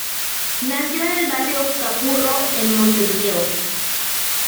Nació en el barrio "Capurro" en Montevideo.